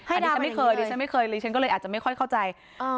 อันนี้ฉันไม่เคยเลยฉันก็เลยอาจจะไม่ค่อยเข้าใจ